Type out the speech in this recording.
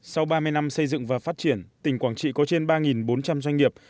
sau ba mươi năm xây dựng và phát triển tỉnh quảng trị có trên ba bốn trăm linh doanh nghiệp